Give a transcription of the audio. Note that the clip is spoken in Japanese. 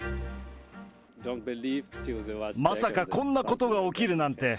まさかこんなことが起きるなんて。